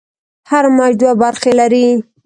هر موج دوې برخې لري.